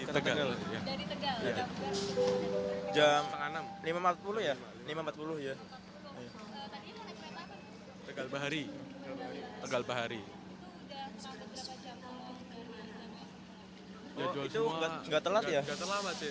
dari tanjung sampai loseri katanya itu banjir